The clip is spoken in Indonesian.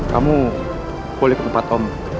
kamu pulih ke tempat om